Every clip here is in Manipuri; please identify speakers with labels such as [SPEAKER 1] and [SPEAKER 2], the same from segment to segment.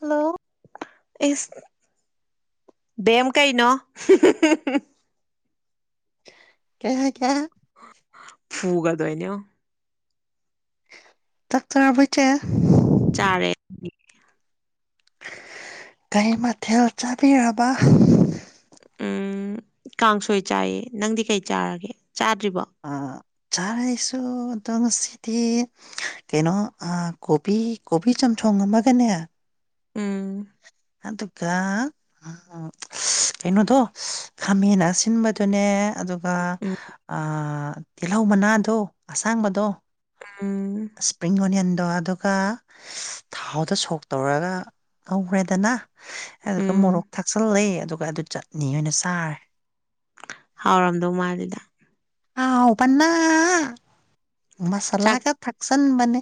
[SPEAKER 1] ꯍꯜꯂꯣ
[SPEAKER 2] ꯏꯁ ꯕꯦꯝ ꯀꯩꯅꯣ
[SPEAKER 1] ꯀꯩ ꯍꯥꯏꯒꯦ
[SPEAKER 2] ꯐꯨꯒꯗꯣꯏꯅꯦꯡ
[SPEAKER 1] ꯆꯥꯛꯆꯥꯔꯕꯣ ꯏꯆꯦ
[SPEAKER 2] ꯆꯥꯔꯦ
[SPEAKER 1] ꯀꯩ ꯃꯊꯦꯜ ꯆꯥꯕꯤꯔꯕ
[SPEAKER 2] ꯎꯝ ꯀꯥꯡꯁꯣꯏ ꯆꯥꯏꯌꯦ ꯅꯪꯗꯤ ꯀꯩ ꯆꯥꯔꯒꯦ ꯆꯥꯗ꯭ꯔꯤꯕꯣ
[SPEAKER 1] ꯑꯥ ꯆꯥꯔ‌ꯦ ꯑꯩꯁꯨ ꯑꯗꯣ ꯉꯁꯤꯗꯤ ꯀꯩꯅꯣ ꯑꯥ ꯀꯣꯕꯤ ꯀꯣꯕꯤ ꯆꯝꯊꯣꯡ ꯑꯃꯒꯅꯦ
[SPEAKER 2] ꯎꯝ
[SPEAKER 1] ꯑꯗꯨꯒ ꯀꯩꯅꯣꯗꯣ ꯈꯥꯃꯦꯟ ꯑꯁꯤꯟꯕꯗꯨꯅꯦ ꯑꯗꯨꯒ
[SPEAKER 2] ꯎꯝ
[SPEAKER 1] ꯇꯤꯜꯍꯧ ꯃꯅꯥꯗꯣ ꯑꯁꯥꯡꯕꯗꯣ
[SPEAKER 2] ꯎꯝ
[SPEAKER 1] ꯏꯁꯄ꯭ꯔꯤꯡ ꯑꯣꯅꯤꯌꯟꯗꯣ ꯑꯗꯨꯒ ꯊꯥꯎꯗ ꯁꯣꯛ ꯇꯧꯔꯒ ꯉꯧꯔꯦꯗꯅ ꯑꯗꯨꯒ
[SPEAKER 2] ꯎꯝ
[SPEAKER 1] ꯃꯣꯔꯣꯛ ꯊꯥꯛꯆꯜꯂ‌ꯦ ꯑꯗꯨꯒ ꯑꯗꯨ ꯆꯠꯅꯤ ꯑꯣꯏꯅ ꯆꯥꯔꯦ
[SPEAKER 2] ꯍꯥꯎꯔꯝꯗꯧ ꯃꯥꯜꯂꯤꯗ
[SPEAKER 1] ꯍꯥꯎꯕꯅ
[SPEAKER 2] ꯆꯥꯛ
[SPEAKER 1] ꯃꯁꯥꯂꯥꯒ ꯊꯛꯆꯟꯕꯅꯦ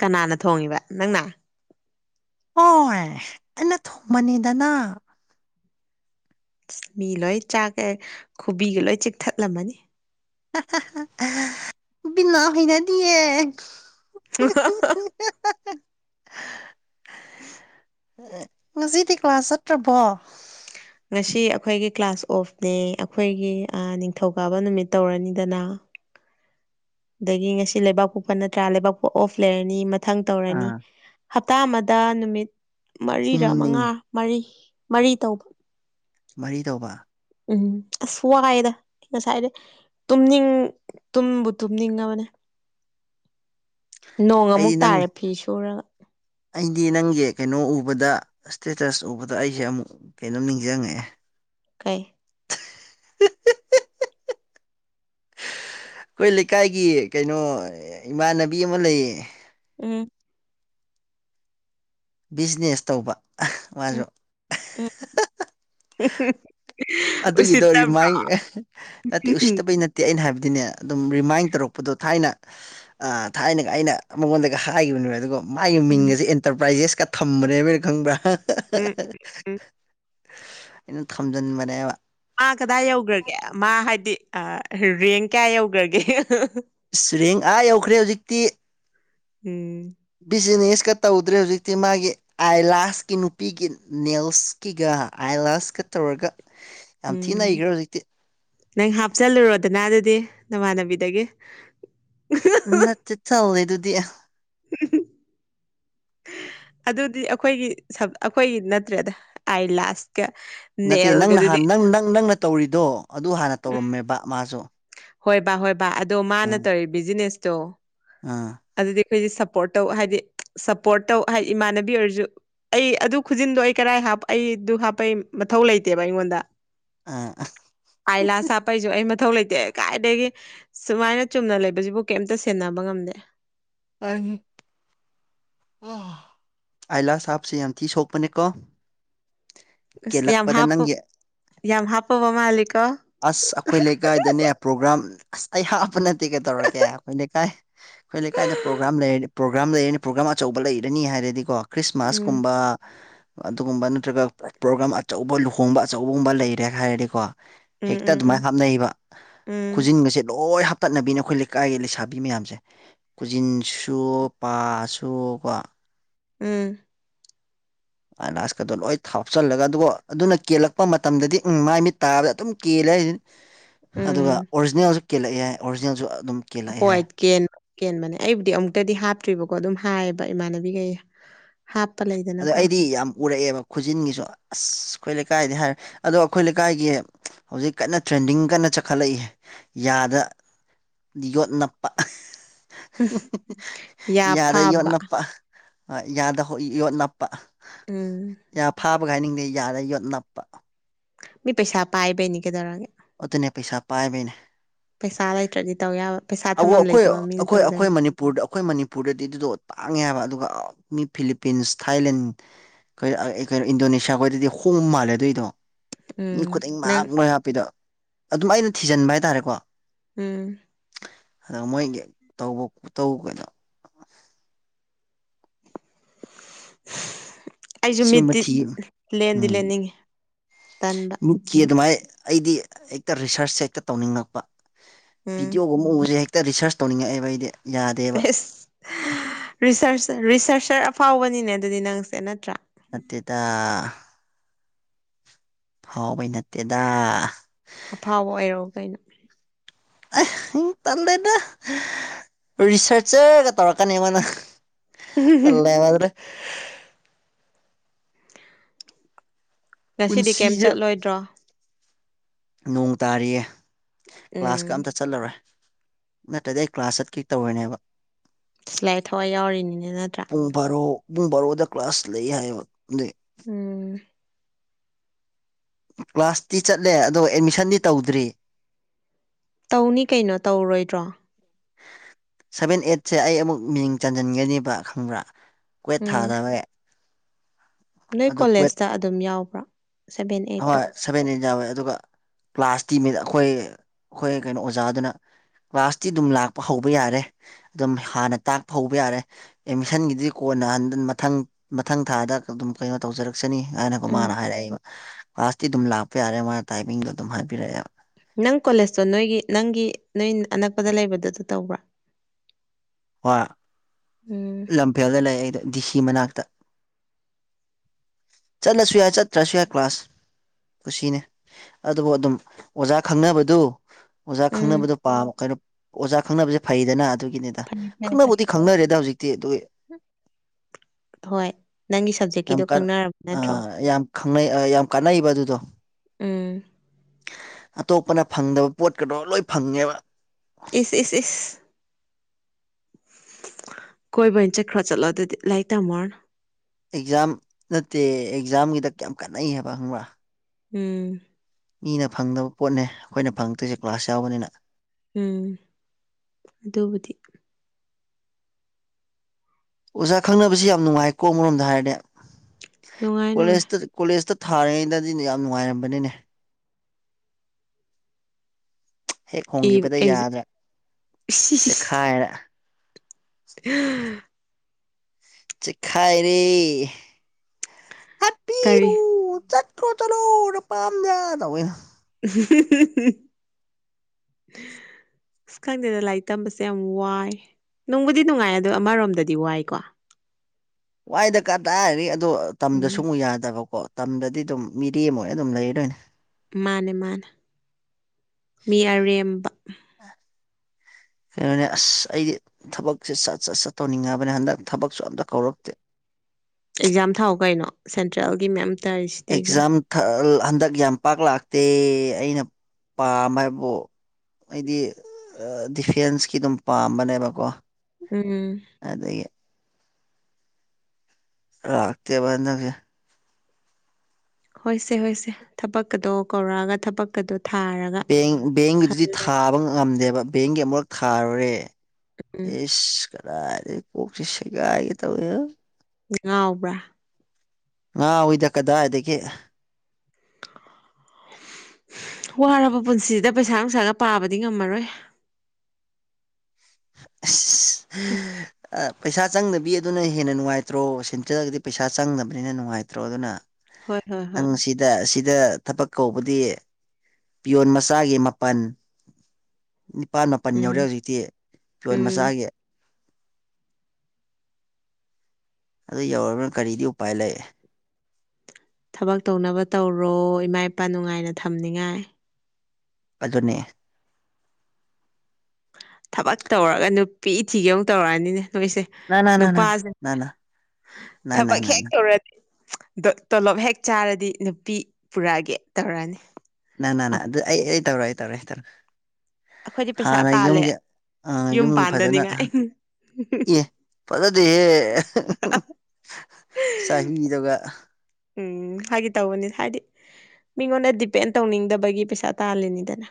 [SPEAKER 2] ꯀꯅꯥꯅ ꯊꯣꯡꯉꯤꯕ ꯅꯪꯅ
[SPEAKER 1] ꯍꯣꯏ ꯑꯩꯅ ꯊꯣꯡꯕꯅꯤꯗꯅ
[SPEAKER 2] ꯃꯤ ꯂꯣꯏ ꯆꯥꯛꯑꯦ ꯈꯨꯕꯤꯒ ꯂꯣꯏ ꯆꯤꯛꯊꯠꯂꯝꯃꯅꯤ
[SPEAKER 1] ꯕꯤꯅꯥꯥ ꯍꯩꯅꯗꯤꯌꯦ
[SPEAKER 2] [unintelligible]
[SPEAKER 1] [unintelligible]
[SPEAKER 2] [inaudible]
[SPEAKER 1] ꯉꯁꯤꯗꯤ ꯀ꯭ꯂꯥꯁ ꯆꯠꯇ꯭ꯔꯕꯣ
[SPEAKER 2] ꯉꯁꯤ ꯑꯩꯈꯣꯏꯒꯤ ꯀ꯭ꯂꯥꯁ ꯑꯣꯐꯅꯦ ꯑꯩꯈꯣꯏꯒꯤ ꯑꯥ ꯅꯤꯡꯊꯧꯀꯥꯕ ꯅꯨꯃꯤꯠ ꯇꯧꯔꯅꯤꯗꯅ ꯑꯗꯒꯤ ꯉꯁꯤ ꯂꯩꯕꯥꯛꯄ‌ꯣꯛꯄ ꯅꯠꯇ꯭ꯔꯥ ꯂꯩꯕꯥꯛꯄ‌ꯣꯛ ꯑꯣꯐ ꯂꯩꯔꯅꯤ ꯃꯊꯪ ꯇꯧꯔꯅꯤ
[SPEAKER 1] ꯑꯥ
[SPEAKER 2] ꯍꯞꯇꯥ ꯑꯃꯗ ꯅꯨꯃꯤꯠ ꯃꯔꯤꯔꯥ ꯃꯉꯥ
[SPEAKER 1] ꯍꯨꯝꯅꯤ
[SPEAKER 2] ꯃꯔꯤ ꯃꯔꯤ ꯇꯧꯕ
[SPEAKER 1] ꯃꯔꯤ ꯇꯧꯕ
[SPEAKER 2] ꯎꯝ ꯑꯁ ꯋꯥꯏꯑꯦꯗ ꯉꯁꯥꯏꯗꯩ ꯇꯨꯝꯅꯤꯡ ꯇꯨꯝꯕꯨ ꯇꯨꯝꯅꯤꯡꯉꯕꯅꯦ ꯅꯣꯡ ꯑꯃꯨꯛ
[SPEAKER 1] ꯑꯩꯗꯤ ꯅꯪ
[SPEAKER 2] ꯇꯥꯔꯦ ꯐꯤ ꯁꯨꯔꯒ
[SPEAKER 1] ꯑꯩꯗꯤ ꯅꯪꯒꯤ ꯀꯩꯅꯣ ꯎꯕꯗ ꯏꯁꯇꯦꯇꯁ ꯎꯕꯗ ꯑꯩꯁꯦ ꯑꯃꯨꯛ ꯀꯩꯅꯣꯝ ꯅꯤꯡꯖꯪꯉꯛꯑꯦ
[SPEAKER 2] ꯀꯩ
[SPEAKER 1] ꯑꯩꯈꯣꯏ ꯂꯩꯀꯥꯏꯒꯤ ꯀꯩꯅꯣ ꯏꯃꯥꯟꯅꯕꯤ ꯑꯃ ꯂꯩꯌꯦ
[SPEAKER 2] ꯎꯝ
[SPEAKER 1] ꯕꯤꯖꯤꯅꯦꯁ ꯇꯧꯕ
[SPEAKER 2] ꯎꯝ
[SPEAKER 1] ꯃꯥꯁꯨ
[SPEAKER 2] ꯎꯝ [unintelligible]
[SPEAKER 1] ꯑꯗꯨꯒꯤꯗꯣ
[SPEAKER 2] ꯎꯁꯤꯠꯇꯕ꯭ꯔꯥ
[SPEAKER 1] ꯔꯤꯃꯥꯏꯟ ꯅꯠꯇꯦ
[SPEAKER 2] ꯎꯝ
[SPEAKER 1] ꯎꯁꯤꯠꯇꯕꯩ ꯅꯠ ꯇꯦ ꯑꯩꯅ ꯍꯥꯏꯕꯗꯤꯅꯦ ꯑꯗꯨꯝ ꯔꯤꯃꯥꯏꯟ ꯇꯧꯔꯛꯄꯗꯣ ꯊꯥꯏꯅ ꯑꯥ ꯊꯥꯏꯅꯒ ꯑꯩꯅ ꯃꯉꯣꯟꯗꯒ ꯍꯥꯏꯈꯤꯕꯅꯦ ꯑꯗꯨꯒ ꯃꯥꯒꯤ
[SPEAKER 2] ꯎꯝ
[SPEAKER 1] ꯃꯤꯡꯒꯁꯦ ꯑꯦꯟꯇꯔꯄ꯭ꯔꯥꯏꯖꯦꯁꯀ ꯊꯝꯕꯅꯦꯕ ꯑꯩꯅ ꯈꯪꯕ꯭ꯔꯥ
[SPEAKER 2] ꯎꯝ ꯎꯝ
[SPEAKER 1] ꯑꯩꯅ ꯊꯝꯖꯟꯕꯅꯦꯕ
[SPEAKER 2] ꯃꯥ ꯀꯗꯥꯏ ꯌꯧꯒ꯭ꯔꯒꯦ ꯃꯥ ꯍꯥꯏꯗꯤ ꯑꯥ ꯔꯦꯡ ꯀꯌꯥ ꯌꯧꯒ꯭ꯔꯒꯦ
[SPEAKER 1] ꯑꯁ ꯔꯦꯡ ꯑꯥ ꯌꯧꯈ꯭ꯔꯦ ꯍꯧꯖꯤꯛꯇꯤ
[SPEAKER 2] ꯎꯝ
[SPEAKER 1] ꯕꯤꯖꯤꯅꯦꯁꯀ ꯇꯧꯗ꯭ꯔꯦ ꯍꯧꯖꯤꯛꯇꯤ ꯃꯥꯒꯤ ꯑꯥꯏꯂꯥꯁꯀꯤ ꯅꯨꯄꯤꯒꯤ ꯅꯦꯜꯁꯀꯤꯒ ꯑꯥꯏꯂꯥꯁꯀ ꯇꯧꯔꯒ ꯌꯥꯝ ꯊꯤꯟ
[SPEAKER 2] ꯎꯝ
[SPEAKER 1] ꯅꯩꯈ꯭ꯔꯦ ꯍꯧꯖꯤꯛꯇꯤ
[SPEAKER 2] ꯅꯪ ꯍꯥꯞꯆꯜꯂꯨꯔꯣꯗꯅ ꯑꯗꯨꯗꯤ ꯅꯃꯥꯟꯅꯕꯤꯗꯒꯤ
[SPEAKER 1] ꯎꯝ ꯅꯠꯇ ꯇꯧꯏꯗꯨꯗꯤ [inaudible]
[SPEAKER 2] ꯑꯗꯨꯗꯤ ꯑꯩꯈꯣꯏꯒꯤ ꯁꯥꯞ ꯑꯩꯈꯣꯏꯒꯤ ꯅꯠꯇ꯭ꯔꯦꯗ ꯑꯥꯏꯂꯥꯁꯀꯥ
[SPEAKER 1] ꯅꯠꯇꯦ ꯅꯪꯅꯥꯍꯟ ꯅꯪ ꯅꯪ ꯅꯪꯅ ꯇꯧꯔꯤꯗꯣ ꯑꯗꯨ ꯍꯥꯟꯅ ꯇꯧꯔꯝꯃꯦꯕ ꯃꯥꯁꯨ
[SPEAKER 2] ꯍꯣꯏꯕꯥ ꯍꯣꯏꯕꯥ ꯑꯗꯣ ꯃꯥꯅ
[SPEAKER 1] ꯑꯥ
[SPEAKER 2] ꯇꯧꯔꯤ ꯕꯤꯖꯤꯅꯦꯁꯇꯣ
[SPEAKER 1] ꯑꯥ
[SPEAKER 2] ꯑꯗꯨꯗꯤ ꯑꯩꯈꯣꯏꯗꯤ ꯁꯞꯄꯣꯔꯠ ꯇꯧ ꯍꯥꯏꯗꯤ ꯁꯞꯄꯣꯔꯠ ꯇꯧ ꯍꯥꯏ ꯏꯃꯥꯟꯅꯕꯤ ꯑꯣꯏꯔꯁꯨ ꯑꯩ ꯑꯗꯨ ꯈꯨꯖꯤꯟꯗꯣ ꯑꯩ ꯀꯔꯥꯏ ꯍꯞ ꯑꯩ ꯑꯗꯨ ꯍꯥꯞꯄꯩ ꯃꯊꯧ ꯂꯩꯇꯦꯕ ꯑꯩꯉꯣꯟꯗ
[SPEAKER 1] ꯑ
[SPEAKER 2] ꯑꯥꯏꯂꯥꯁ ꯍꯥꯞꯄꯩꯁꯨ ꯑꯩ ꯃꯊꯧ ꯂꯩꯇꯦ ꯀꯥꯏꯗꯒꯤ ꯁꯨꯃꯥꯏꯅ ꯆꯨꯝꯅ ꯂꯩꯕꯁꯤꯕꯨ ꯀꯩꯝꯇ ꯁꯦꯟꯅꯕ ꯉꯝꯗꯦ
[SPEAKER 1] [unintelligible] ꯑꯣ ꯑꯥꯏꯂꯁ ꯍꯥꯞꯁꯦ ꯌꯥꯝ ꯊꯤ ꯁꯣꯛꯄꯅꯦ ꯀꯣ
[SPEAKER 2] ꯌꯥꯝ ꯍꯥꯞꯄ
[SPEAKER 1] ꯅꯪꯒꯤ
[SPEAKER 2] ꯌꯥꯝ ꯍꯥꯄꯕ ꯃꯥꯂꯤꯀꯣ
[SPEAKER 1] ꯑꯁ ꯑꯩꯈꯣꯏ ꯂꯩꯀꯥꯏꯗꯅꯦ ꯄ꯭ꯔꯣꯒ꯭ꯔꯥꯝ ꯑꯁ ꯑꯩ ꯍꯥꯞꯄ ꯅꯠꯇꯦ ꯀꯩꯇꯧꯔꯒꯦ ꯑꯩꯈꯣꯏ ꯂꯩꯀꯥꯏ ꯑꯩꯈꯣꯏ ꯂꯩꯀꯥꯏꯗ ꯄ꯭ꯔꯣꯒ꯭ꯔꯥꯝ ꯂꯩꯔꯗꯤ ꯄ꯭ꯔꯣꯒ꯭ꯔꯥꯝ ꯂꯩꯔꯅꯤ ꯄ꯭ꯔꯣꯒ꯭ꯔꯥꯝ ꯑꯆꯧꯕ ꯂꯩꯔꯅꯤ ꯍꯥꯏꯔꯗꯤꯀꯣ ꯈ꯭ꯔꯤꯁꯃꯥꯁ
[SPEAKER 2] ꯎꯝ
[SPEAKER 1] ꯀꯨꯝꯕ ꯑꯗꯨꯒꯨꯝꯕ ꯅꯠꯇ꯭ꯔꯒ ꯄ꯭ꯔꯣꯒ꯭ꯔꯥꯝ ꯑꯆꯧꯕ ꯂꯨꯍꯣꯡꯕ ꯑꯆꯧꯕꯒꯨꯝꯕ ꯂꯩꯔꯦ ꯍꯥꯏꯔꯗꯤꯀꯣ
[SPEAKER 2] ꯎꯝ
[SPEAKER 1] ꯍꯦꯛꯇ
[SPEAKER 2] ꯎꯝ
[SPEAKER 1] ꯑꯗꯨꯃꯥꯏ
[SPEAKER 2] ꯎꯝ
[SPEAKER 1] ꯍꯥꯞꯅꯩꯌꯦꯕ
[SPEAKER 2] ꯎꯝ
[SPEAKER 1] ꯈꯨꯖꯤꯟꯒꯁꯦ ꯂꯣꯏ ꯇꯠꯅꯕꯤꯅꯦ ꯑꯩꯈꯣꯏ ꯂꯩꯀꯥꯏꯒꯤ ꯂꯩꯁꯥꯕꯤ ꯃꯌꯥꯝꯁꯦ ꯈꯨꯖꯤꯟꯁꯨ ꯄꯥꯁꯨ ꯕ
[SPEAKER 2] ꯎꯝ
[SPEAKER 1] ꯑꯥꯏꯂꯥꯁꯀꯗꯣ ꯂꯣꯏ ꯊꯥꯞꯆꯜꯂꯒ ꯑꯗꯨꯒ ꯑꯗꯨꯅ ꯀꯦꯜꯂꯛꯄ ꯃꯇꯝꯗꯗꯤ ꯎꯝ ꯃꯥꯏ ꯃꯤꯠ ꯇꯥꯕꯗ ꯑꯗꯨꯝ ꯀꯦꯜꯂꯦ ꯍꯥꯏ
[SPEAKER 2] ꯎꯝ
[SPEAKER 1] ꯑꯗꯨꯒ ꯑꯣꯔꯤꯖꯤꯅꯦꯜꯁꯨ ꯀꯦꯜꯂꯛꯑꯦ ꯍꯥꯏ ꯑꯣꯔꯤꯖꯤꯅꯦꯜꯁꯨ ꯑꯗꯨꯝ ꯀꯦꯜꯂꯛꯑꯦ ꯍꯥꯏ
[SPEAKER 2] ꯍꯣꯏ ꯀꯦꯟꯕ ꯀꯦꯟꯕꯅꯦ ꯑꯩꯕꯨꯗꯤ ꯑꯃꯨꯛꯇꯗꯤ ꯍꯥꯞꯇ꯭ꯔꯤꯕꯀꯣ ꯑꯗꯨꯝ ꯍꯥꯏꯌꯦꯕ ꯏꯃꯥꯟꯅꯕꯤꯈꯩ ꯍꯥꯞꯄ
[SPEAKER 1] ꯑꯗꯣ
[SPEAKER 2] ꯂꯩꯗꯅꯀꯣ
[SPEAKER 1] ꯑꯩꯗꯤ ꯌꯥꯝ ꯎꯔꯛꯑꯦꯕ ꯈꯨꯖꯤꯟꯒꯤꯁꯨ ꯑꯁ ꯑꯩꯈꯣꯏ ꯂꯩꯀꯥꯏꯗꯤ ꯍꯥꯏꯔ ꯑꯗꯣ ꯑꯩꯈꯣꯏ ꯂꯩꯀꯥꯏꯒꯤ ꯍꯧꯖꯤꯛ ꯀꯟꯅ ꯇ꯭ꯔꯦꯟꯗꯤꯡ ꯀꯟꯅ ꯆꯈꯠꯂꯛꯏ ꯌꯥꯗ ꯌꯣꯠ ꯅꯄ
[SPEAKER 2] ꯌꯥ
[SPEAKER 1] ꯌꯥꯗ ꯌꯣꯠ
[SPEAKER 2] ꯐꯥꯕ
[SPEAKER 1] ꯅꯞꯄ ꯌꯥꯗ ꯍꯣ ꯌꯣꯠ ꯅꯞꯄ
[SPEAKER 2] ꯎꯝ
[SPEAKER 1] ꯌꯥ ꯐꯥꯕꯒ ꯍꯥꯏꯅꯤꯡꯗꯦ ꯌꯥꯗ ꯌꯣꯠ ꯅꯞꯄ
[SPEAKER 2] ꯃꯤ ꯄꯩꯁꯥ ꯄꯥꯏꯕꯩꯅꯤ ꯀꯩꯗꯧꯔꯒꯦ
[SPEAKER 1] ꯑꯗꯨꯅꯦ ꯄꯩꯁꯥ ꯄꯥꯏꯕꯩꯅꯦ
[SPEAKER 2] ꯄꯩꯁꯥ ꯂꯩꯇ꯭ꯔꯗꯤ ꯇꯧ ꯌꯥꯕ ꯄꯩꯁꯥ
[SPEAKER 1] ꯑꯋꫭ
[SPEAKER 2] ꯊꯝꯐꯝ
[SPEAKER 1] ꯑꯩꯈꯣꯏ
[SPEAKER 2] ꯂꯩꯇꯕ ꯃꯤꯅ
[SPEAKER 1] ꯑꯩꯈꯣꯏ ꯑꯩꯈꯣꯏ
[SPEAKER 2] ꯇꯧꯖꯔꯤ
[SPEAKER 1] ꯃꯅꯤ ꯄꯨꯔꯗ ꯑꯩꯈꯣꯏ ꯃꯅꯤꯄꯨꯔꯗꯗꯤ ꯑꯗꯨꯗꯣ ꯇꯥꯡꯉꯦ ꯍꯥꯏꯕ ꯑꯗꯨꯒ ꯃꯤ ꯐꯤꯂꯤꯄꯤꯟꯁ ꯊꯥꯏꯂꯦꯟ ꯀꯩꯅꯣ ꯏꯟꯗꯣꯅꯦꯁꯤꯌꯥ ꯈꯣꯏꯗꯗꯤ ꯍꯣꯡꯕ ꯃꯥꯜꯂꯦ ꯑꯗꯨꯏꯗꯣ ꯃꯤ
[SPEAKER 2] ꯎꯝ
[SPEAKER 1] ꯈꯨꯗꯤꯡꯃꯛ
[SPEAKER 2] ꯅꯪ
[SPEAKER 1] ꯂꯣꯏ ꯍꯥꯞꯄꯤꯗ ꯑꯗꯨꯝ ꯑꯩꯅ ꯊꯤꯖꯟꯕ ꯍꯥꯏꯇꯥꯔꯦꯀꯣ
[SPEAKER 2] ꯎꯝ
[SPEAKER 1] ꯑꯗ ꯃꯣꯏꯒꯤ ꯇꯧꯕ ꯈꯨꯇꯧ ꯀꯩꯅꯣ
[SPEAKER 2] ꯑꯩꯁꯨ
[SPEAKER 1] ꯁꯤꯒꯨꯝꯕ
[SPEAKER 2] ꯃꯤꯠꯇꯤ
[SPEAKER 1] ꯊꯤ
[SPEAKER 2] ꯂꯦꯟꯗꯤ ꯂꯦꯟꯅꯤꯡꯉꯤ ꯇꯟꯕ
[SPEAKER 1] ꯀꯤ ꯑꯗꯨꯃꯥꯏ ꯑꯩꯗꯤ ꯍꯦꯛꯇ ꯔꯤꯁꯔꯁꯁꯦ ꯍꯦꯛꯇ ꯇꯧꯅꯤꯡꯉꯛꯄ
[SPEAKER 2] ꯎꯝ
[SPEAKER 1] ꯕꯤꯗꯤꯑꯣꯒꯨꯝ ꯎꯕꯁꯦ ꯍꯦꯛꯇ ꯇ ꯔꯤꯁꯔꯁ ꯇꯧꯅꯤꯡꯉꯛꯑꯦꯕ ꯑꯩꯗꯤ ꯌꯥꯗꯦꯕ
[SPEAKER 2] ꯑꯦꯁ ꯔꯤꯁꯔꯁ ꯔꯤꯁꯔꯆꯔ ꯑꯐꯥꯎꯕꯅꯤꯅꯦ ꯑꯗꯨꯗꯤ ꯅꯪꯁꯦ ꯅꯠꯇ꯭ꯔꯥ
[SPEAKER 1] ꯅꯠꯇꯦꯗ ꯍꯥꯎꯕꯩ ꯅꯠꯇꯦꯗ
[SPEAKER 2] ꯑꯐꯥꯎꯕ ꯑꯣꯏꯔꯛꯎ ꯀꯩꯅꯣ
[SPEAKER 1] ꯑ ꯇꯜꯂꯦꯗ ꯔꯤꯁꯔꯆꯔꯒ ꯇꯧꯔꯛꯀꯅꯤ ꯑꯩꯉꯣꯟꯗꯥ ꯇꯜꯂꯦꯕꯗꯨꯅ
[SPEAKER 2] ꯉꯁꯤꯗꯤ ꯀꯩꯝ
[SPEAKER 1] ꯄꯨꯟꯁꯤꯁꯦ
[SPEAKER 2] ꯆꯠꯂꯣꯏꯗ꯭ꯔꯣ
[SPEAKER 1] ꯅꯣꯡꯇꯥꯔꯤꯌꯦ ꯀ꯭ꯂꯥꯁꯀ
[SPEAKER 2] ꯎꯝ
[SPEAKER 1] ꯑꯝꯇ ꯆꯠꯂꯔꯣꯏ ꯅꯠꯇ꯭ꯔꯗꯤ ꯑꯩ ꯀ꯭ꯂꯥꯁ ꯆꯠꯀꯦ ꯇꯧꯔꯅꯦꯕ
[SPEAKER 2] ꯂꯥꯏꯔꯤꯛ ꯊꯋꯥꯏ ꯌꯥꯎꯔꯤꯅꯤꯅꯦ ꯅꯠꯇ꯭ꯔꯥ
[SPEAKER 1] ꯄꯨꯡ ꯕꯥꯔꯣ ꯄꯨꯡ ꯕꯥꯔꯣꯗ ꯀ꯭ꯂꯥꯁ ꯂꯩ ꯍꯥꯏꯌꯦꯕ ꯑꯗꯨ
[SPEAKER 2] ꯎꯝ
[SPEAKER 1] ꯀ꯭ꯂꯥꯁꯇꯤ ꯆꯠꯂꯦ ꯑꯗꯣ ꯑꯦꯠꯃꯤꯁꯟꯗꯤ ꯇꯧꯗ꯭ꯔꯤ
[SPEAKER 2] ꯇꯧꯅꯤ ꯀꯩꯅꯣ ꯇꯧꯔꯣꯏꯗ꯭ꯔꯣ
[SPEAKER 1] ꯁꯚꯦꯟ ꯑꯩꯠꯁꯦ ꯑꯩ ꯑꯃꯨꯛ ꯃꯤꯡ ꯆꯟꯁꯤꯟꯒꯅꯤꯕ ꯈꯪꯕ꯭ꯔꯥ ꯀ꯭ꯋꯦꯠ
[SPEAKER 2] ꯎꯝ
[SPEAKER 1] ꯊꯥꯗꯕꯒꯤ
[SPEAKER 2] ꯅꯣꯏ ꯀꯣꯂꯦꯖꯇ ꯑꯗꯨꯝ ꯌꯥꯎꯕ꯭ꯔꯥ ꯁꯚꯦꯟ ꯑꯩꯠꯇꯣ
[SPEAKER 1] ꯍꯣꯏ ꯁꯚꯦꯟ ꯑꯩꯟ ꯌꯥꯎꯋꯦ ꯑꯗꯨꯒ ꯀ꯭ꯂꯥꯁ ꯇꯤꯃꯤꯗ ꯑꯩꯈꯣꯏ ꯑꯩꯈꯣꯏ ꯀꯩꯅꯣ ꯑꯣꯖꯥꯗꯨꯅ ꯀ꯭ꯂꯥꯁꯇꯤ ꯑꯗꯨꯝ ꯂꯥꯛꯄ ꯍꯧꯕ ꯌꯥꯔꯦ ꯑꯗꯨꯝ ꯍꯥꯟꯅ ꯇꯥꯛꯄ ꯍꯧꯕ ꯌꯥꯔꯦ ꯑꯦꯠꯃꯤꯁꯟꯒꯤꯗꯤ ꯀꯣꯟꯅ ꯍꯟ ꯃꯊꯪ ꯃꯊꯪ ꯊꯥꯗ ꯑꯗꯨꯝ ꯀꯩꯅꯣ ꯇꯧꯖꯔꯛꯁꯅꯤ ꯍꯥꯏꯅꯒꯣ
[SPEAKER 2] ꯎꯝ
[SPEAKER 1] ꯃꯥꯅ ꯍꯥꯏꯔꯛꯏꯕ ꯐꯥꯁꯇꯤ ꯑꯗꯨꯝ ꯂꯥꯛꯄ ꯌꯥꯔꯦ ꯃꯥꯅ ꯇꯥꯏꯃꯤꯡꯗꯣ ꯑꯗꯨꯝ ꯍꯥꯏꯕꯤꯔꯛꯑꯦꯕ
[SPEAKER 2] ꯅꯪ ꯀꯣꯂꯦꯖꯇꯣ ꯅꯣꯏꯒꯤ ꯅꯪꯒꯤ ꯅꯣꯏ ꯑꯅꯛꯄꯗ ꯂꯩꯕꯗꯨꯗ ꯇꯧꯕ꯭ꯔꯥ
[SPEAKER 1] ꯍꯣꯏ
[SPEAKER 2] ꯎꯝ
[SPEAKER 1] ꯂꯝꯐꯦꯜꯗ ꯂꯩ ꯑꯩꯗ ꯗꯤꯁꯤ ꯃꯅꯥꯛꯇ ꯆꯠꯂꯁꯨ ꯌꯥꯏ ꯆꯠꯇ꯭ꯔꯁꯨ ꯌꯥꯏ ꯀ꯭ꯂꯥꯁ ꯀꯨꯁꯤꯅꯦ ꯑꯗꯣ ꯑꯗꯨꯝ ꯑꯣꯖꯥ ꯈꯪꯅꯕꯗꯨ ꯑꯣꯖꯥ
[SPEAKER 2] ꯎꯝ
[SPEAKER 1] ꯈꯪꯅꯕꯗꯣ ꯄꯥꯝꯕ ꯀꯩꯅꯣ ꯑꯣꯖꯥ ꯈꯪꯅꯕꯁꯦ ꯐꯩꯗꯅ ꯑꯗꯨꯒꯤꯅꯤ
[SPEAKER 2] ꯐꯔꯦ ꯐꯔꯦ ꯐꯔꯦ
[SPEAKER 1] ꯈꯪꯅꯕꯨꯗꯤ ꯈꯪꯅꯔꯦꯗ ꯍꯧꯖꯤꯛꯇꯤ ꯑꯗꯨ
[SPEAKER 2] ꯍꯣꯏ ꯅꯪꯒꯤ
[SPEAKER 1] ꯌꯥꯝ
[SPEAKER 2] ꯁꯕꯖꯦꯛꯀꯤꯗꯣ
[SPEAKER 1] ꯀꯥꯟ
[SPEAKER 2] ꯈꯪꯅꯔꯕ ꯅꯠꯇ꯭ꯔꯣ
[SPEAKER 1] ꯌꯥꯝ ꯈꯪꯅꯩ ꯌꯥꯝ ꯀꯥꯟꯅꯩꯕ ꯑꯗꯨꯗꯣ
[SPEAKER 2] ꯎꯝ
[SPEAKER 1] ꯑꯇꯣꯞꯄꯅ ꯐꯪꯗꯕ ꯄꯣꯠꯀꯗꯣ ꯂꯣꯏ ꯐꯪꯉꯦꯕ
[SPEAKER 2] ꯏꯁ ꯏꯁ ꯏꯁ ꯀꯣꯏꯕ ꯑꯣꯏ ꯆꯠꯈ꯭ꯔꯣ ꯆꯠꯂꯣ ꯑꯗꯨꯗꯤ ꯂꯥꯏꯔꯤꯛ ꯇꯝꯃꯨꯔꯅꯨ
[SPEAKER 1] ꯑꯦꯛꯖꯥꯝ ꯅꯠꯇꯦ ꯑꯦꯛꯖꯥꯝꯒꯤꯗ ꯀꯌꯥꯝ ꯀꯥꯟꯅꯩ ꯍꯥꯏꯕ ꯈꯪꯕ꯭ꯔꯥ
[SPEAKER 2] ꯎꯝ
[SPEAKER 1] ꯃꯤꯅ ꯐꯪꯗꯕ ꯄꯣꯠꯅꯦ ꯑꯩꯈꯣꯏꯅ ꯐꯪꯉꯛꯇꯣꯏꯁꯦ ꯀ꯭ꯂꯥꯁ ꯌꯥꯎꯕꯅꯤꯅ
[SPEAKER 2] ꯎꯝ ꯑꯗꯨꯕꯨꯗꯤ
[SPEAKER 1] ꯑꯣꯖꯥ ꯈꯪꯅꯕꯁꯤ ꯌꯥꯝ ꯅꯨꯡꯉꯥꯏꯀꯣ ꯑꯃꯔꯣꯝꯗ ꯍꯥꯏꯔꯗꯤ
[SPEAKER 2] ꯅꯨꯡꯉꯥꯏ ꯅꯨꯡꯉꯥꯏ
[SPEAKER 1] ꯀꯣꯂꯦꯖꯇ ꯀꯣꯂꯦꯖꯇ ꯊꯥꯔꯤꯉꯩꯗꯗꯤ ꯌꯥꯝ ꯅꯨꯡꯉꯥꯏꯔꯝꯕꯅꯤꯅꯦ ꯍꯦꯛ
[SPEAKER 2] ꯏꯕ
[SPEAKER 1] ꯍꯣꯡꯈꯤꯕꯗ
[SPEAKER 2] ꯑꯦꯛꯖꯥ
[SPEAKER 1] ꯌꯥꯗ꯭ꯔꯥ ꯆꯦꯛꯈꯥꯏꯔꯦ
[SPEAKER 2] [unintelligible]
[SPEAKER 1] ꯆꯦꯛꯈꯥꯏꯔꯦ
[SPEAKER 2] ꯀꯔꯤ
[SPEAKER 1] ꯆꯠꯇ꯭ꯔꯣ ꯆꯠꯂꯣ ꯅꯥꯄꯥꯝꯗ ꯇꯧꯕꯩꯗꯣ
[SPEAKER 2] [unintelligible]
[SPEAKER 1] [inaudible]
[SPEAKER 2] ꯑꯁ ꯈꯪꯗꯦꯗ ꯂꯥꯏꯔꯤꯛ ꯇꯝꯕꯁꯦ ꯌꯥꯝ ꯋꯥꯏ ꯅꯨꯡꯕꯨꯗꯤ ꯅꯨꯡꯉꯥꯏ ꯑꯗꯣ ꯑꯃꯔꯣꯝꯗꯗꯤ ꯋꯥꯏꯀꯣ
[SPEAKER 1] ꯋꯥꯏꯗ ꯀꯗꯥꯏꯗꯩ ꯑꯗꯣ ꯇꯝꯗ ꯁꯨ
[SPEAKER 2] ꯎꯝ
[SPEAKER 1] ꯃꯨꯛ ꯌꯥꯗꯕꯀꯣ ꯇꯝꯗꯗꯤ ꯑꯗꯨꯝ ꯃꯤꯔꯤ ꯑꯃ ꯑꯗꯨꯝ ꯂꯩꯗꯣꯏꯅꯦ
[SPEAKER 2] ꯃꯥꯅꯦ ꯃꯥꯅꯦ ꯃꯤ ꯑꯔꯦꯝꯕ
[SPEAKER 1] ꯀꯩꯅꯣꯅꯤ ꯑꯁ ꯑꯩꯗꯤ ꯊꯕꯛꯁꯦ ꯁꯠ ꯁꯠ ꯁꯠ ꯇꯧꯅꯤꯡꯉꯕꯅꯤ ꯍꯟꯗꯛ ꯊꯕꯛꯁꯨ ꯑꯝꯇ ꯀꯧꯔꯛꯇꯦ
[SPEAKER 2] ꯑꯦꯛꯖꯥꯝ ꯊꯥꯎ ꯀꯩꯅꯣ ꯁꯦꯟꯇ꯭ꯔꯦꯜꯒꯤ ꯃꯌꯥꯝ
[SPEAKER 1] ꯑꯦꯛꯖꯥꯝ ꯍꯟꯗꯛ ꯌꯥꯝ ꯄꯥꯛ ꯂꯥꯛꯇꯦ ꯑꯩꯅ ꯄꯥꯝꯕ ꯍꯥꯏꯕꯨ ꯑꯩꯗꯤ ꯗꯤꯐꯦꯟꯁꯀꯤ ꯑꯗꯨꯝ ꯄꯥꯝꯕꯅꯦꯕꯀꯣ
[SPEAKER 2] ꯎꯝ
[SPEAKER 1] ꯑꯗꯥꯒꯤ ꯂꯥꯛꯇꯦꯕ ꯍꯟꯗꯛꯁꯦ
[SPEAKER 2] ꯍꯣꯏꯁꯦ ꯍꯣꯏꯁꯦ ꯊꯕꯛꯀꯗꯣ ꯀꯧꯔꯛꯑꯒ ꯊꯕꯛꯀꯗꯣ ꯊꯥꯔꯒ
[SPEAKER 1] ꯕꯦꯡ
[SPEAKER 2] ꯈꯜ
[SPEAKER 1] ꯕꯦꯡꯒꯤꯗꯨꯗꯤ ꯊꯥꯕ ꯉꯝꯗꯦꯕ ꯕꯦꯡꯒꯤ ꯑꯃꯨꯛꯂꯛ ꯊꯥꯔꯨꯔꯦ
[SPEAKER 2] ꯎꯝ
[SPEAKER 1] ꯏꯁ ꯀꯗꯥꯢꯗꯩ ꯀꯣꯛꯁꯦ ꯁꯦꯒꯥꯢꯒꯦ ꯇꯧꯋꯤꯍꯦ
[SPEAKER 2] ꯉꯥꯎꯕ꯭ꯔꯥ
[SPEAKER 1] ꯉꯥꯎꯏꯗ ꯀꯗꯥꯏꯗꯒꯤ
[SPEAKER 2] ꯋꯥꯔꯕ ꯄꯨꯟꯁꯤꯗ ꯄꯩꯁꯥ ꯅꯨꯡꯁꯥꯒ ꯄꯥꯕꯗꯤ ꯉꯝꯃꯔꯣꯏ
[SPEAKER 1] [unintelligible] ꯄꯩꯁꯥ ꯆꯪꯗꯕꯤ ꯑꯗꯨꯅ ꯍꯦꯟꯅ ꯅꯨꯡꯉꯥꯏꯇ꯭ꯔꯣ ꯁꯦꯟꯇꯔꯒꯗꯤ ꯄꯩꯁꯥ ꯆꯪꯗꯕꯅꯤꯅ ꯅꯨꯡꯉꯥꯏꯇ꯭ꯔꯣ ꯑꯗꯨꯅ
[SPEAKER 2] ꯍꯣꯏ ꯍꯣꯏ
[SPEAKER 1] ꯅꯪ
[SPEAKER 2] ꯍꯣꯏ
[SPEAKER 1] ꯁꯤꯗ ꯁꯤꯗ ꯊꯕꯛ ꯀꯧꯕꯗꯤ ꯄꯤꯌꯣꯟ ꯃꯆꯥꯒꯤ ꯃꯥꯄꯜ ꯅꯤꯄꯥꯜ ꯃꯥꯄꯜ
[SPEAKER 2] ꯎꯝ
[SPEAKER 1] ꯌꯧꯔꯑꯦ ꯍꯧꯖꯤꯛꯇꯤ ꯐꯤꯌꫭꯟ
[SPEAKER 2] ꯎꯝ
[SPEAKER 1] ꯃꯆꯥꯒꯤ ꯑꯗꯨ ꯌꯧꯔꯕꯅ ꯀꯔꯤꯗꯤ ꯎꯄꯥꯏ ꯂꯩꯑꯦ
[SPEAKER 2] ꯊꯕꯛ ꯇꯧꯅꯕ ꯇꯧꯔꯣ ꯏꯃꯥ ꯏꯄꯥ ꯅꯨꯡꯉꯥꯏꯅ ꯊꯝꯅꯤꯡꯉꯥꯏ
[SPEAKER 1] ꯑꯗꯨꯅꯦ
[SPEAKER 2] ꯊꯕꯛ ꯇꯧꯔꯒ ꯅꯨꯄꯤ ꯊꯤꯒ ꯑꯃꯨꯛ ꯇꯧꯔꯛꯑꯅꯤꯅꯦ ꯅꯣꯏꯁꯦ
[SPEAKER 1] ꯅ ꯅ ꯅ ꯅ
[SPEAKER 2] ꯅꯨꯄꯥꯁꯦ
[SPEAKER 1] ꯅ ꯅ ꯅ ꯅ
[SPEAKER 2] ꯊꯕꯛ
[SPEAKER 1] ꯅ
[SPEAKER 2] ꯍꯦꯛ
[SPEAKER 1] ꯅ
[SPEAKER 2] ꯇꯧꯔ ꯇꯣꯂꯣꯞ ꯍꯦꯛ ꯆꯥꯔꯗꯤ ꯅꯨꯄꯤ ꯄꯨꯔꯛꯒꯦ ꯇꯧꯔꯅꯤ
[SPEAKER 1] ꯅ ꯅ ꯅ ꯑꯗꯨ ꯑꯩ ꯇꯧꯔꫭꯏ ꯑꯩ ꯇꯧꯔꫭꯏ ꯑꯩ ꯇꯧꯔꫭꯏ
[SPEAKER 2] ꯑꯩꯈꯣꯏꯗꯤ ꯄꯩꯁꯥ
[SPEAKER 1] ꯍꯥꯟꯅ
[SPEAKER 2] ꯇꯥꯜꯂꯦ
[SPEAKER 1] ꯌꯨꯝꯒꯤ
[SPEAKER 2] ꯌꯨꯝ
[SPEAKER 1] ꯌꯨꯝꯒꯤ ꯐꯖꯅ
[SPEAKER 2] ꯄꯥꯟꯗꯅꯤꯡꯉꯥꯏ
[SPEAKER 1] ꯏ ꯐꯖꯗꯤꯍꯦ ꯆꯍꯤꯗꯨꯒ
[SPEAKER 2] ꯎꯝ ꯍꯥꯏꯒꯦ ꯇꯧꯕꯅꯤ ꯍꯥꯏꯗꯤ ꯃꯤꯉꯣꯟꯗ ꯗꯤꯄꯦꯟ ꯇꯧꯅꯤꯡꯗꯕꯒꯤ ꯄꯩꯁꯥ ꯇꯥꯜꯂꯤꯅꯤꯗꯅ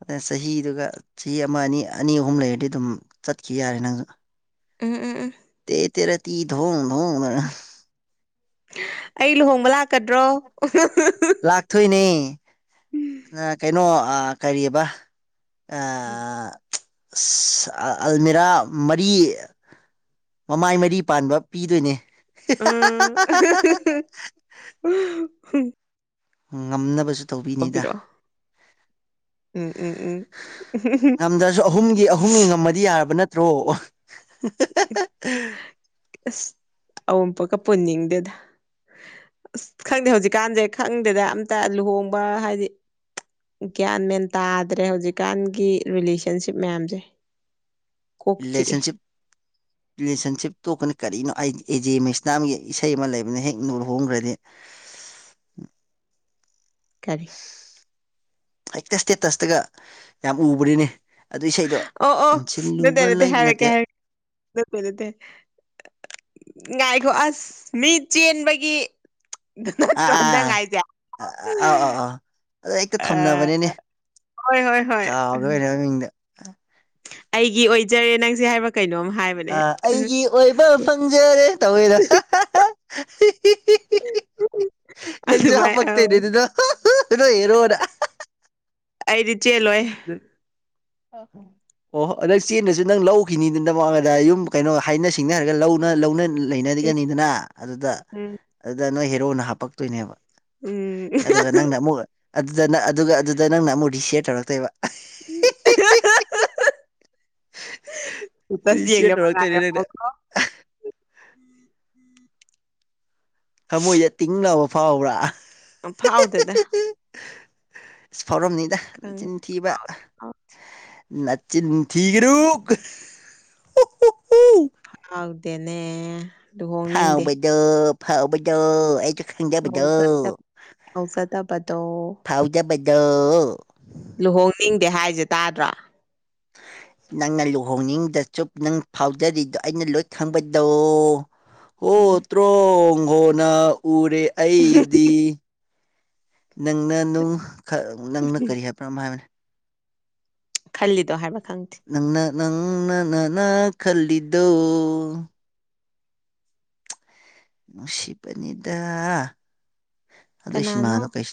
[SPEAKER 1] ꯑꯗꯨꯗ ꯆꯍꯤꯗꯨꯒ ꯆꯍꯤ ꯑꯃ ꯑꯅꯤ ꯑꯅꯤ ꯑꯍꯨꯝ ꯂꯩꯔꯗꯤ ꯑꯗꯨꯝ ꯆꯠꯈꯤ ꯌꯥꯔꯦ ꯅꯪꯁꯨ
[SPEAKER 2] ꯎꯝ ꯎꯝ ꯎꯝ
[SPEAKER 1] [unintelligible]
[SPEAKER 2] ꯑꯩ ꯂꯨꯍꯣꯡꯕ ꯂꯥꯛꯀꯗ꯭ꯔꯣ
[SPEAKER 1] ꯊꯣꯏꯅꯦ ꯑ ꯀꯩꯅꯣ ꯑ ꯀꯔꯤꯕ ꯑ ꯑ ꯑꯜꯃꯤꯔꯥ ꯃꯔꯤ ꯃꯃꯥꯏ ꯃꯔꯤ ꯄꯥꯟꯕ ꯄꯤꯗꯣꯏꯅꯦ
[SPEAKER 2] ꯎꯝ [unintelligible]
[SPEAKER 1] ꯉꯝꯅꯕꯁꯨ ꯇꯧꯕꯤꯅꯤꯗ
[SPEAKER 2] ꯇꯧꯕꯤꯔꯛꯑꯣ ꯎꯝ ꯎꯝ ꯎꯝ
[SPEAKER 1] ꯉꯝꯗ꯭ꯔꯁꯨ ꯑꯍꯨꯝꯒꯤ ꯑꯍꯨꯝꯒꯤ ꯉꯝꯃꯗꯤ ꯗꯤ ꯌꯥꯔꯕ ꯅꯠꯇ꯭ꯔꯣ
[SPEAKER 2] ꯑꯁ ꯑꯎꯝꯄꯣꯛꯀ ꯄꯨꯟꯅꯤꯡꯗꯦꯗ ꯑꯁ ꯈꯪꯗꯦ ꯍꯧꯖꯤꯛꯀꯥꯟꯁꯦ ꯈꯪꯗꯦꯗ ꯑꯝꯇ ꯂꯨꯍꯣꯡꯕ ꯍꯥꯏꯗꯤ ꯒ꯭ꯌꯥꯟ ꯃꯦꯟ ꯇꯥꯗ꯭ꯔꯦ ꯍꯧꯖꯤꯛꯀꯥꯟꯒꯤ ꯔꯤꯂꯦꯁꯟꯁꯤꯞ ꯃꯌꯥꯝꯁꯦ ꯀꯣꯛ ꯆꯤꯛꯑꯦ
[SPEAKER 1] ꯔꯤꯂꯦꯁꯟꯁꯤꯞ ꯔꯤꯂꯦꯁꯟꯁꯤꯞ ꯇꯣꯛꯀꯅꯤ ꯀꯔꯤꯅꯣ ꯑꯦꯖꯦ ꯃꯩꯁꯅꯥꯝꯒꯤ ꯏꯁꯩ ꯑꯃ ꯂꯩꯕꯅꯦ ꯍꯦꯛ ꯂꯨꯍꯣꯡꯒꯔꯥꯗꯤ
[SPEAKER 2] ꯀꯔꯤ
[SPEAKER 1] ꯍꯦꯛꯇ ꯁ꯭ꯇꯦꯇꯁꯇꯒ ꯌꯥꯝ ꯎꯕꯅꯤ ꯑꯗꯨ ꯏꯁꯩꯗꯣ
[SPEAKER 2] ꯑꯣ ꯑꯣ ꯅꯠꯇꯦ
[SPEAKER 1] ꯏꯟꯁꯤꯟꯂꯨꯕ ꯂꯩ
[SPEAKER 2] ꯍꯥꯏꯔꯛꯀꯦ
[SPEAKER 1] ꯅꯠꯇꯦ
[SPEAKER 2] ꯍꯥꯏꯔꯛꯀꯦ [unintelligible] ꯉꯥꯏꯈꯣ ꯑꯁ ꯃꯤ ꯆꯦꯟꯕꯒꯤ
[SPEAKER 1] ꯑꯥ
[SPEAKER 2] ꯅꯠꯇꯔꫭ ꯅꯪ
[SPEAKER 1] ꯑꯥ
[SPEAKER 2] ꯍꯥꯏꯖ
[SPEAKER 1] ꯑꯗꯣ ꯍꯦꯛꯇ ꯊꯝꯅꯕꯅꯤꯅꯦ
[SPEAKER 2] ꯍꯣꯏ ꯍꯣꯏ ꯍꯣꯏ
[SPEAKER 1] ꯀꯥꯗ ꯃꯤꯡꯗ
[SPEAKER 2] ꯑꯩꯒꯤ ꯑꯣꯏꯖꯔꯦ ꯅꯪꯁꯦ ꯍꯥꯏꯕ꯭ꯔꯥ ꯀꯩꯅꯣꯝ ꯍꯥꯏꯕ
[SPEAKER 1] ꯑ ꯑꯩꯒꯤ ꯑꯣꯏꯕ ꯐꯪꯖꯔꯦ ꯇꯧꯋꯦꯗꯣ ꯅꯪꯁꯨ
[SPEAKER 2] ꯑꯗꯨꯃꯥꯏ ꯑꯧ
[SPEAKER 1] ꯍꯥꯄꯛꯇꯣꯏꯅꯦ ꯑꯗꯨꯅꯣ ꯅꯣꯏꯑꯔꯣꯅ
[SPEAKER 2] ꯑꯩꯗꯤ ꯆꯦꯜꯂꯣꯏ
[SPEAKER 1] [inaudible] [unintelligible] ꯑꯣꯍꯣ ꯅꯗꯪ ꯆꯦꯟꯗꯁꯨ ꯅꯪ ꯂꯧꯈꯤꯅꯤꯗꯨ ꯅꯅ ꯃꯒꯗ ꯌꯨꯝ ꯀꯩꯅꯣ ꯍꯥꯏꯅ ꯁꯤꯡꯅꯔꯒ ꯂꯧꯅ ꯂꯧꯅ ꯂꯩꯅ ꯅꯤꯗꯅ ꯑꯗꯨꯗ
[SPEAKER 2] ꯎꯝ
[SPEAKER 1] ꯑꯗꯨꯗ ꯅꯣꯏ ꯍꯦꯔꯣꯅ ꯍꯥꯄꯛꯇꯣꯏꯅꯦꯕ
[SPEAKER 2] ꯎꯝ
[SPEAKER 1] ꯑꯗꯨꯒ ꯅꯪꯅ ꯑꯃꯨꯛ ꯑꯗꯨꯗ ꯅꯪ ꯑꯗꯨꯒ ꯑꯗꯨꯗ ꯅꯪꯅ ꯑꯃꯨꯛ ꯔꯤꯁꯤꯌꯔ ꯇꯧꯔꯛꯇꯣꯏꯕ
[SPEAKER 2] ꯎꯝ
[SPEAKER 1] ꯔꯤꯁꯤꯌꯔ ꯇꯧꯔꯛꯇꯣꯏꯅꯦ ꯅꯪꯅ
[SPEAKER 2] [unintelligible]
[SPEAKER 1] ꯊꯃꯣꯏꯗ ꯇꯤꯡ ꯂꯥꯎꯕ ꯐꯥꯎꯕ꯭ꯔꯥ
[SPEAKER 2] ꯐꯥꯎꯗꯦꯗ
[SPEAKER 1] ꯐꯥꯎꯔꯝꯅꯤꯗ
[SPEAKER 2] ꯈꯪ
[SPEAKER 1] ꯆꯤꯟꯊꯤꯕ
[SPEAKER 2] ꯐꯥꯎꯗꯦ ꯐꯥꯎꯗꯦ
[SPEAKER 1] ꯅꯆꯤꯟ ꯊꯤꯒꯅꯨ
[SPEAKER 2] ꯐꯥꯎꯗꯦꯅꯦ ꯂꯨꯍꯣꯡꯅꯤꯡꯗꯦ
[SPEAKER 1] ꯐꯥꯎꯕꯗꯣ ꯐꯥꯎꯕꯗꯣ ꯑꯩꯁꯨ ꯈꯪꯖꯕꯗꯣ
[SPEAKER 2] ꯐꯥꯎꯖ ꯐꯥꯎꯖꯗꯕꯗꯣ
[SPEAKER 1] ꯐꯥꯎꯖꯕꯗꯣ
[SPEAKER 2] ꯂꯨꯍꯣꯡꯅꯤꯡꯗꯦ ꯍꯥꯏꯁꯦ ꯇꯥꯗ꯭ꯔꯥ
[SPEAKER 1] ꯅꯪꯅ ꯂꯨꯍꯣꯡꯅꯤꯡꯗꯖꯨ ꯅꯪ ꯐꯥꯎꯖꯔꯤꯗꯣ ꯑꯩꯅ ꯂꯣꯏ ꯈꯪꯕꯗꯣ
[SPEAKER 2] ꯎꯝ
[SPEAKER 1] ꯍꯣꯇ꯭ꯔꯣꯡ ꯍꯣꯅ ꯎꯔꯦ ꯑꯩꯗꯤ ꯅꯪꯅ ꯅꯪ ꯅꯪꯅ ꯀꯔꯤ ꯍꯥꯏꯕ꯭ꯔꯥ ꯑꯃ ꯍꯥꯏꯕꯅꯦ
[SPEAKER 2] ꯈꯜꯂꯤꯗꯣ ꯍꯥꯏꯕ ꯈꯪꯗꯦ
[SPEAKER 1] ꯅꯪꯅ ꯅꯪꯅ ꯅꯅ ꯈꯜꯂꯤꯗꯣ ꯑꯣ ꯅꯨꯡꯁꯤꯕꯅꯤꯗ ꯑꯗꯨ ꯁꯤꯃꯥꯗꯣ
[SPEAKER 2] ꯀꯅꯥꯅꯣ
[SPEAKER 1] ꯀꯩ